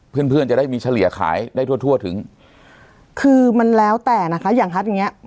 เพื่อนเพื่อนจะได้มีเฉลี่ยขายได้ทั่วทั่วถึงคือมันแล้วแต่นะคะอย่างฮัดอย่างเงี้ย